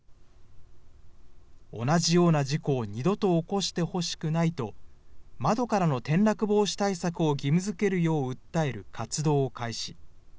同じような事故を二度と起こしてほしくないと、窓からの転落防止対策を義務づけるよう訴える活動を開始。